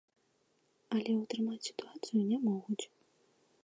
Але ўтрымаць сітуацыю не могуць.